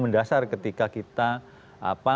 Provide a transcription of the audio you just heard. mendasar ketika kita